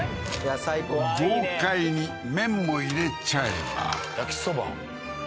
豪快に麺も入れちゃえば焼きそば？